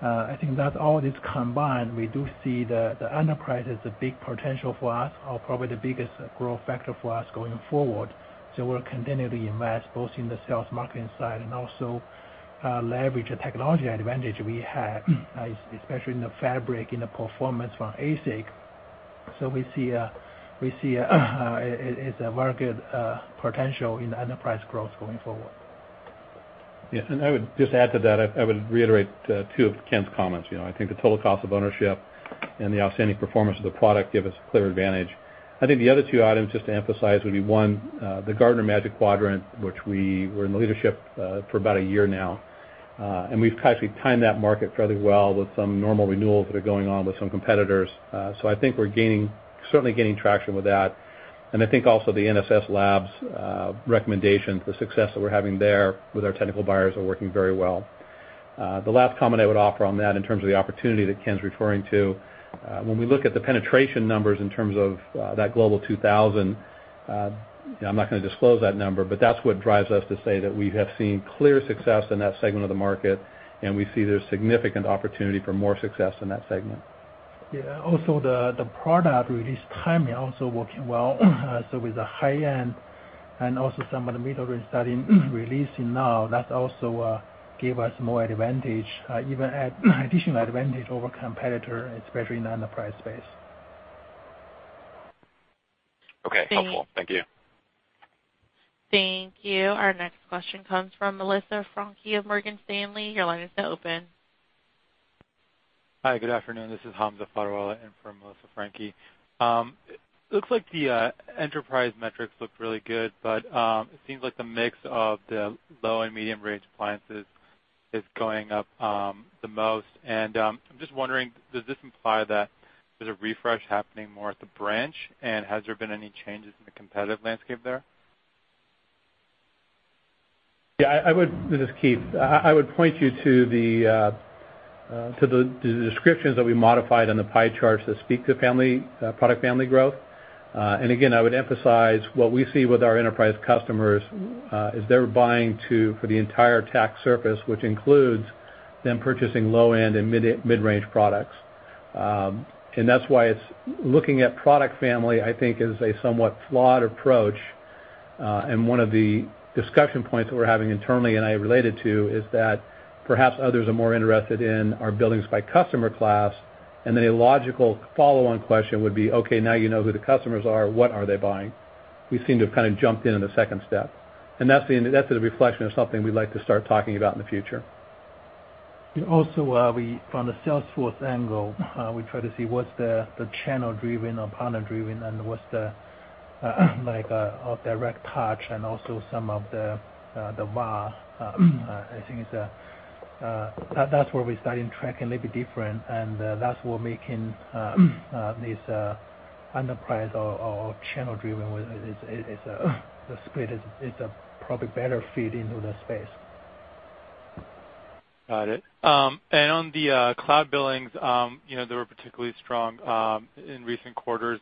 Speaker 3: I think that all this combined, we do see the enterprise has a big potential for us or probably the biggest growth factor for us going forward. We'll continually invest both in the sales marketing side and also leverage the technology advantage we have, especially in the fabric, in the performance from ASIC. We see it's a very good potential in the enterprise growth going forward.
Speaker 4: I would just add to that, I would reiterate two of Ken's comments. I think the total cost of ownership and the outstanding performance of the product give us a clear advantage. I think the other two items, just to emphasize, would be, one, the Gartner Magic Quadrant, which we were in the leadership for about a year now. We've actually timed that market fairly well with some normal renewals that are going on with some competitors. I think we're certainly gaining traction with that. I think also the NSS Labs recommendation, the success that we're having there with our technical buyers are working very well. The last comment I would offer on that in terms of the opportunity that Ken's referring to, when we look at the penetration numbers in terms of that Global 2,000, I'm not going to disclose that number, but that's what drives us to say that we have seen clear success in that segment of the market, and we see there's significant opportunity for more success in that segment.
Speaker 3: Yeah. Also, the product release timing also working well. With the high-end and also some of the middle we're starting releasing now, that also give us more advantage, even additional advantage over competitor, especially in the enterprise space.
Speaker 11: Okay. Helpful. Thank you.
Speaker 1: Thank you. Our next question comes from Melissa Franchi of Morgan Stanley. Your line is now open.
Speaker 12: Hi, good afternoon. This is Hamza Fodderwala in for Melissa Franchi. Looks like the enterprise metrics looked really good, it seems like the mix of the low and medium range appliances is going up the most. I'm just wondering, does this imply that there's a refresh happening more at the branch? Has there been any changes in the competitive landscape there?
Speaker 4: This is Keith. I would point you to the descriptions that we modified on the pie charts that speak to product family growth. Again, I would emphasize what we see with our enterprise customers, is they're buying for the entire attack surface, which includes them purchasing low-end and mid-range products. That's why it's looking at product family, I think, is a somewhat flawed approach. One of the discussion points that we're having internally, and I relate it to, is that perhaps others are more interested in our billings by customer class, and then a logical follow-on question would be, okay, now you know who the customers are, what are they buying? We seem to have kind of jumped in in the second step. That's the reflection of something we'd like to start talking about in the future.
Speaker 3: Also, from the Salesforce angle, we try to see what's the channel driven or partner driven, and what's the like a direct touch and also some of the VAR. I think that's where we're starting tracking a little bit different, that's what making this enterprise or channel driven, the split is a probably better fit into the space.
Speaker 12: Got it. On the cloud billings, they were particularly strong in recent quarters.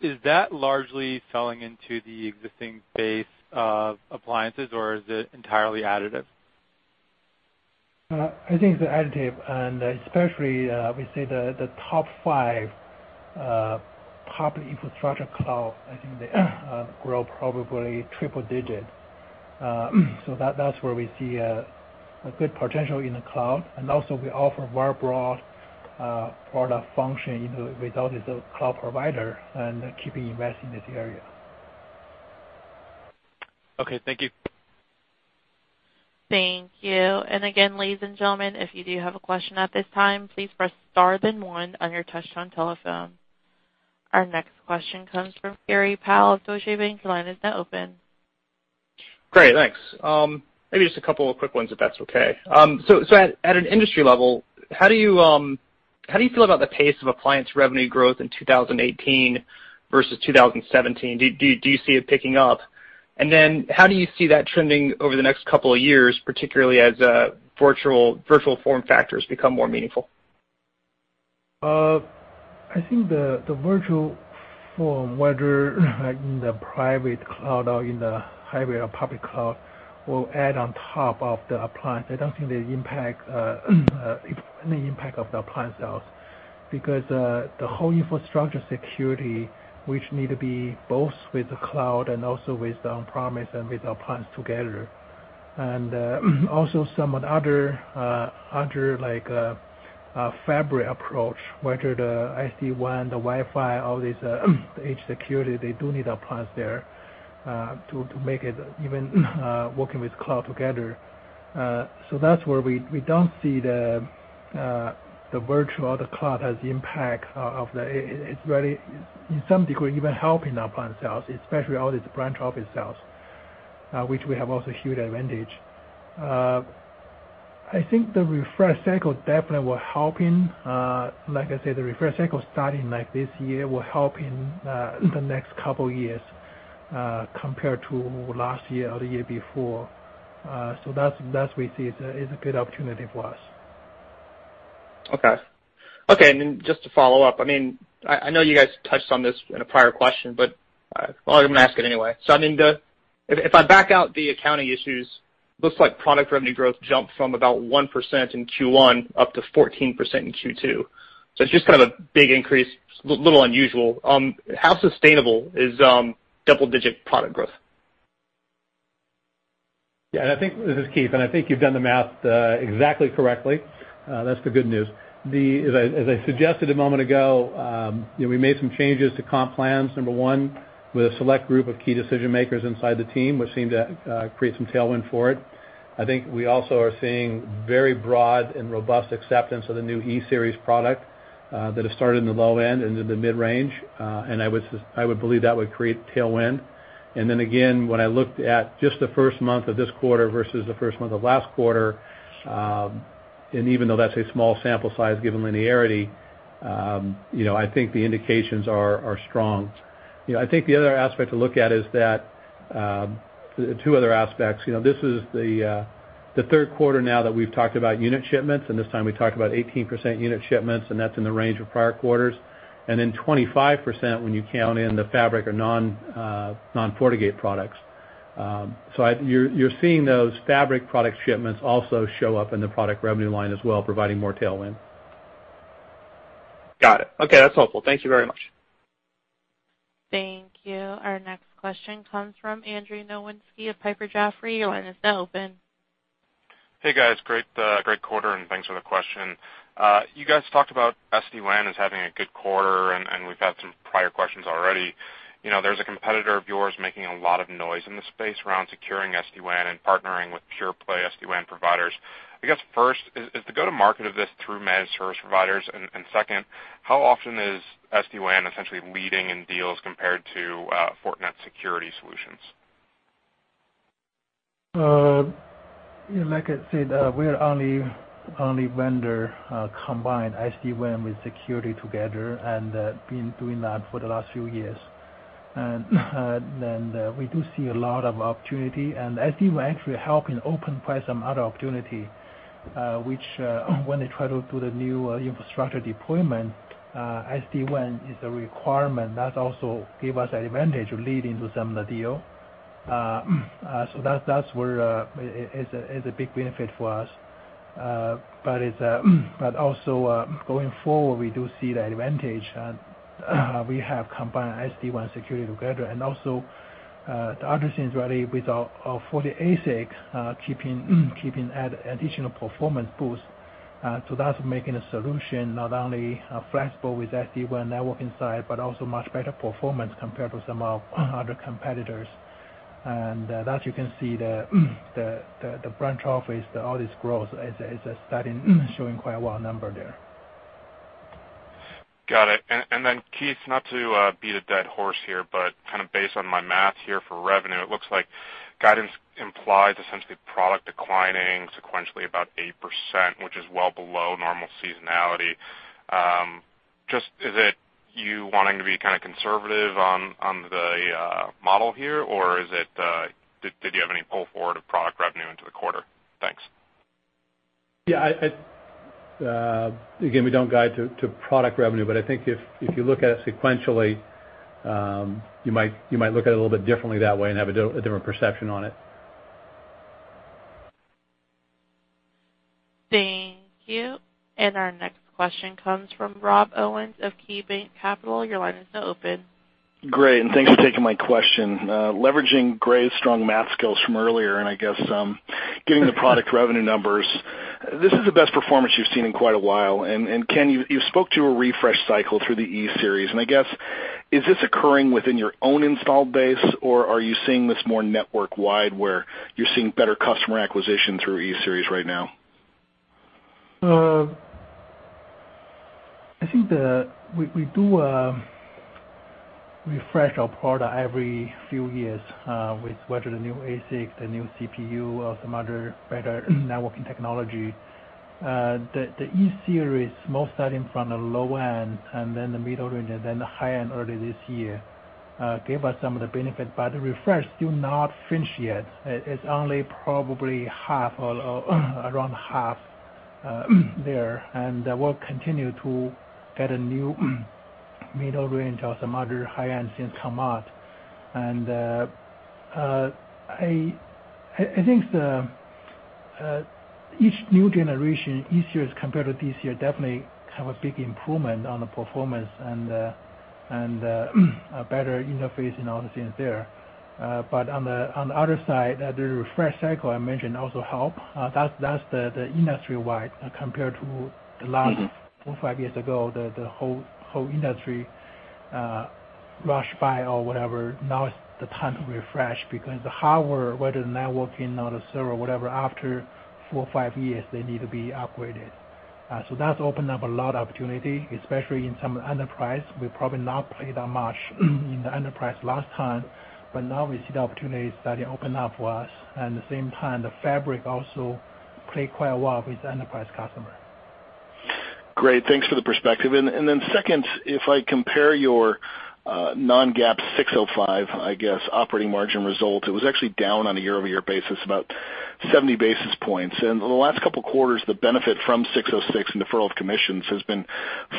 Speaker 12: Is that largely selling into the existing base of appliances, or is it entirely additive?
Speaker 3: I think it's additive, especially, we see the top five public infrastructure cloud, I think they grow probably triple digit. That's where we see a good potential in the cloud. Also we offer very broad product function with all the cloud provider and keeping investing in this area.
Speaker 12: Okay. Thank you.
Speaker 1: Thank you. Again, ladies and gentlemen, if you do have a question at this time, please press star then one on your touchtone telephone. Our next question comes from Gray Powell of Deutsche Bank. Your line is now open.
Speaker 13: Great, thanks. Maybe just a couple of quick ones, if that's okay. At an industry level, how do you feel about the pace of appliance revenue growth in 2018 versus 2017? Do you see it picking up? Then how do you see that trending over the next couple of years, particularly as virtual form factors become more meaningful?
Speaker 3: I think the virtual form, whether in the private cloud or in the hybrid or public cloud, will add on top of the appliance. I don't think it's any impact of the appliance sales. The whole infrastructure security, which need to be both with the cloud and also with on-premise and with our plans together. Also some other like fabric approach, whether the SD-WAN, the Wi-Fi, all these edge security, they do need appliance there to make it even working with cloud together. That's where we don't see the virtual or the cloud has. It's very, in some degree, even helping our appliance sales, especially all these branch office sales, which we have also huge advantage. I think the refresh cycle definitely will help in, like I said, the refresh cycle starting this year will help in the next couple years, compared to last year or the year before. That we see is a good opportunity for us.
Speaker 13: Okay. Just to follow up, I know you guys touched on this in a prior question, but well, I'm going to ask it anyway. If I back out the accounting issues, looks like product revenue growth jumped from about 1% in Q1 up to 14% in Q2. It's just kind of a big increase. A little unusual. How sustainable is double-digit product growth?
Speaker 4: Yeah, this is Keith, I think you've done the math exactly correctly. That's the good news. As I suggested a moment ago, we made some changes to comp plans, number 1, with a select group of key decision-makers inside the team, which seemed to create some tailwind for it. I think we also are seeing very broad and robust acceptance of the new E-Series product, that have started in the low end and in the mid-range. I would believe that would create tailwind. Again, when I looked at just the first month of this quarter versus the first month of last quarter, and even though that's a small sample size, given linearity, I think the indications are strong. I think the other aspect to look at is that, 2 other aspects. This is the third quarter now that we've talked about unit shipments, and this time we talked about 18% unit shipments, and that's in the range of prior quarters. 25% when you count in the fabric or non-FortiGate products. You're seeing those fabric product shipments also show up in the product revenue line as well, providing more tailwind.
Speaker 13: Got it. Okay, that's helpful. Thank you very much.
Speaker 1: Thank you. Our next question comes from Andrew Nowinski of Piper Jaffray. Your line is now open.
Speaker 14: Hey, guys. Great quarter. Thanks for the question. You guys talked about SD-WAN as having a good quarter. We've had some prior questions already. There's a competitor of yours making a lot of noise in the space around securing SD-WAN and partnering with Pure Play SD-WAN providers. I guess first, is the go-to-market of this through managed service providers? Second, how often is SD-WAN essentially leading in deals compared to Fortinet security solutions?
Speaker 3: Like I said, we are only vendor combine SD-WAN with security together and been doing that for the last few years. We do see a lot of opportunity and SD-WAN actually helping open quite some other opportunity, which when they try to do the new infrastructure deployment, SD-WAN is a requirement. That also give us advantage leading to some of the deal. That's where it's a big benefit for us. Also, going forward, we do see the advantage, and we have combined SD-WAN security together. Also, the other thing is really with our FortiASIC keeping additional performance boost. That's making a solution not only flexible with SD-WAN network inside, but also much better performance compared to some of other competitors. That you can see the branch office, all this growth is starting showing quite a lot of number there.
Speaker 14: Got it. Keith, not to beat a dead horse here, kind of based on my math here for revenue, it looks like guidance implies essentially product declining sequentially about 8%, which is well below normal seasonality. Just is it you wanting to be kind of conservative on the model here, or did you have any pull forward of product revenue into the quarter? Thanks.
Speaker 4: Yeah. Again, we don't guide to product revenue, I think if you look at it sequentially, you might look at it a little bit differently that way and have a different perception on it.
Speaker 1: Thank you. Our next question comes from Rob Owens of KeyBanc Capital. Your line is now open.
Speaker 15: Great, thanks for taking my question. Leveraging Gray's strong math skills from earlier, I guess getting the product revenue numbers. This is the best performance you've seen in quite a while. Ken, you spoke to a refresh cycle through the E-Series, I guess is this occurring within your own installed base, or are you seeing this more network-wide, where you're seeing better customer acquisition through E-Series right now?
Speaker 3: I think that we do refresh our product every few years, with whether the new ASIC, the new CPU, or some other better networking technology. The E-Series, most starting from the low end, and then the mid-range, and then the high end early this year, gave us some of the benefit, but the refresh do not finish yet. It's only probably around half there. We'll continue to get a new mid-range or some other high-end things come out. I think the Each new generation, this year compared to this year, definitely have a big improvement on the performance and a better interface and all the things there. On the other side, the refresh cycle I mentioned also help. That's the industry wide compared to the last four or five years ago, the whole industry rushed by or whatever. Now is the time to refresh because the hardware, whether networking or the server, whatever, after four or five years, they need to be upgraded. That's opened up a lot of opportunity, especially in some enterprise. We probably not play that much in the enterprise last time, but now we see the opportunities starting to open up for us. At the same time, the fabric also play quite well with the enterprise customer.
Speaker 15: Great. Thanks for the perspective. Second, if I compare your non-GAAP 606, I guess, operating margin result, it was actually down on a year-over-year basis about 70 basis points. The last couple of quarters, the benefit from 606 and deferral of commissions has been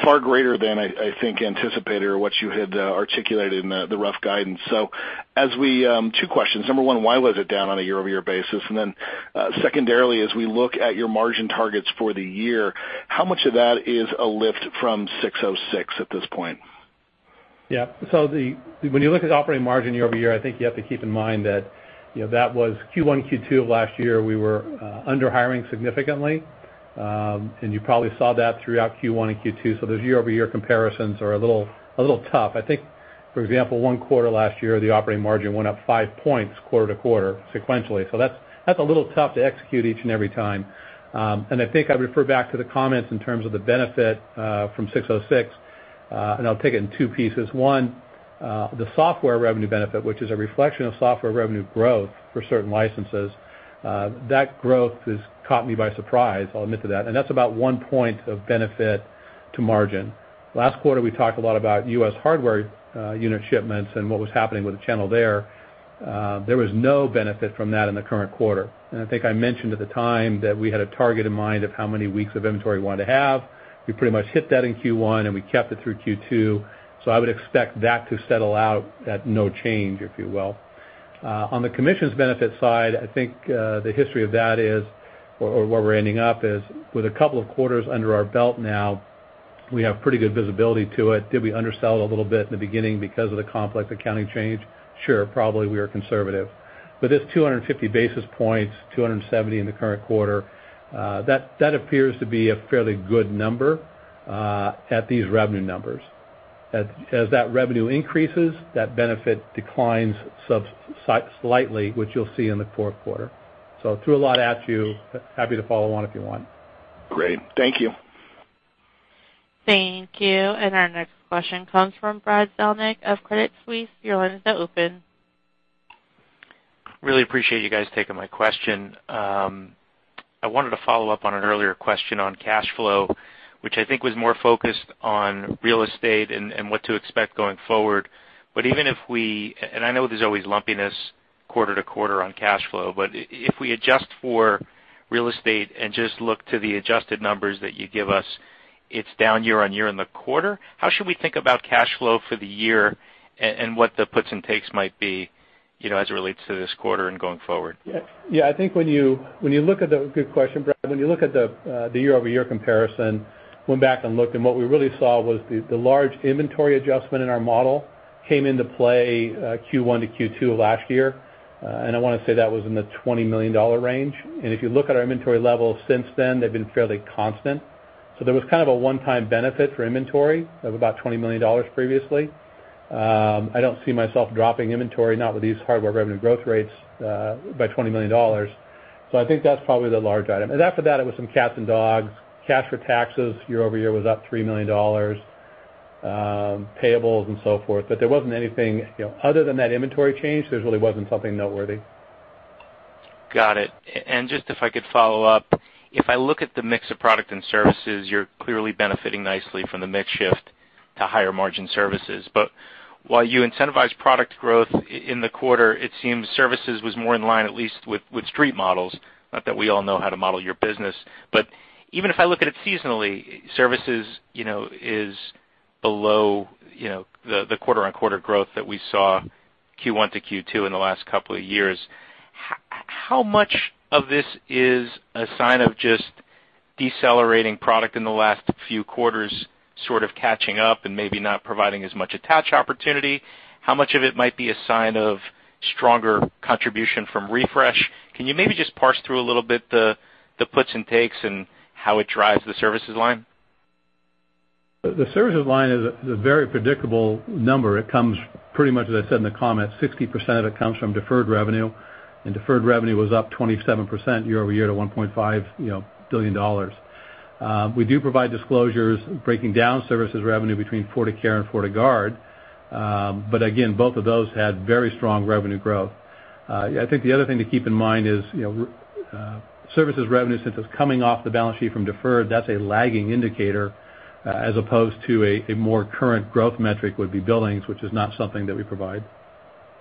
Speaker 15: far greater than I think anticipated or what you had articulated in the rough guidance. Two questions. Number one, why was it down on a year-over-year basis? Secondarily, as we look at your margin targets for the year, how much of that is a lift from 606 at this point?
Speaker 4: Yeah. When you look at operating margin year-over-year, I think you have to keep in mind that was Q1, Q2 of last year, we were under hiring significantly. You probably saw that throughout Q1 and Q2. Those year-over-year comparisons are a little tough. I think, for example, one quarter last year, the operating margin went up five points quarter-to-quarter sequentially. That's a little tough to execute each and every time. I think I refer back to the comments in terms of the benefit from 606, and I'll take it in two pieces. One, the software revenue benefit, which is a reflection of software revenue growth for certain licenses. That growth has caught me by surprise, I'll admit to that, and that's about one point of benefit to margin. Last quarter, we talked a lot about U.S. hardware unit shipments and what was happening with the channel there. There was no benefit from that in the current quarter. I think I mentioned at the time that we had a target in mind of how many weeks of inventory we wanted to have. We pretty much hit that in Q1, and we kept it through Q2. I would expect that to settle out at no change, if you will. On the commissions benefit side, I think, the history of that is or where we're ending up is with a couple of quarters under our belt now, we have pretty good visibility to it. Did we undersell a little bit in the beginning because of the complex accounting change? Sure, probably we were conservative. This 250 basis points, 270 basis points in the current quarter, that appears to be a fairly good number at these revenue numbers. As that revenue increases, that benefit declines slightly, which you'll see in the fourth quarter. I threw a lot at you. Happy to follow on if you want.
Speaker 15: Great. Thank you.
Speaker 1: Thank you. Our next question comes from Brad Zelnick of Credit Suisse. Your line is now open.
Speaker 16: Really appreciate you guys taking my question. I wanted to follow up on an earlier question on cash flow, which I think was more focused on real estate and what to expect going forward. Even if we, and I know there's always lumpiness quarter-to-quarter on cash flow, if we adjust for real estate and just look to the adjusted numbers that you give us, it's down year-over-year in the quarter. How should we think about cash flow for the year and what the puts and takes might be, as it relates to this quarter and going forward?
Speaker 4: Yeah. Good question, Brad. When you look at the year-over-year comparison, went back and looked, what we really saw was the large inventory adjustment in our model came into play Q1 to Q2 of last year. I want to say that was in the $20 million range. If you look at our inventory levels since then, they've been fairly constant. There was kind of a one-time benefit for inventory of about $20 million previously. I don't see myself dropping inventory, not with these hardware revenue growth rates, by $20 million. I think that's probably the large item. After that, it was some cats and dogs, cash for taxes year-over-year was up $3 million, payables and so forth. There wasn't anything, other than that inventory change, there really wasn't something noteworthy.
Speaker 16: Got it. Just if I could follow up, if I look at the mix of product and services, you're clearly benefiting nicely from the mix shift to higher margin services. While you incentivize product growth in the quarter, it seems services was more in line, at least with street models, not that we all know how to model your business. Even if I look at it seasonally, services is below the quarter-over-quarter growth that we saw Q1 to Q2 in the last couple of years. How much of this is a sign of just decelerating product in the last few quarters sort of catching up and maybe not providing as much attach opportunity? How much of it might be a sign of stronger contribution from refresh? Can you maybe just parse through a little bit the puts and takes and how it drives the services line?
Speaker 4: The services line is a very predictable number. It comes pretty much, as I said in the comments, 60% of it comes from deferred revenue, deferred revenue was up 27% year-over-year to $1.5 billion. We do provide disclosures breaking down services revenue between FortiCare and FortiGuard. Again, both of those had very strong revenue growth. I think the other thing to keep in mind is services revenue, since it's coming off the balance sheet from deferred, that's a lagging indicator as opposed to a more current growth metric would be billings, which is not something that we provide.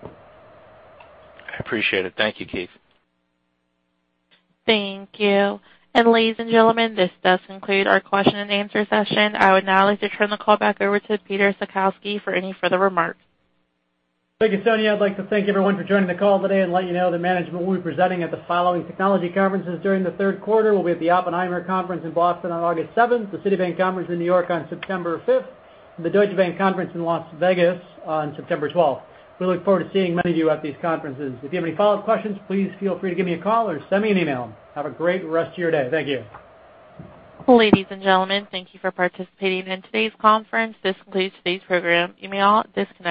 Speaker 16: I appreciate it. Thank you, Keith.
Speaker 1: Thank you. Ladies and gentlemen, this does conclude our question and answer session. I would now like to turn the call back over to Peter Salkowski for any further remarks.
Speaker 2: Thank you, Sonia. I'd like to thank everyone for joining the call today and let you know that management will be presenting at the following technology conferences during the third quarter. We'll be at the Oppenheimer Conference in Boston on August 7th, the Citibank Conference in New York on September 5th, and the Deutsche Bank Conference in Las Vegas on September 12th. We look forward to seeing many of you at these conferences. If you have any follow-up questions, please feel free to give me a call or send me an email. Have a great rest of your day. Thank you.
Speaker 1: Ladies and gentlemen, thank you for participating in today's conference. This concludes today's program. You may all disconnect.